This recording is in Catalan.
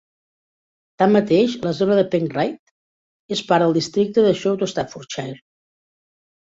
Tanmateix, la zona de Penkridge és part del districte de South Staffordshire.